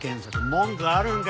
文句あるんか？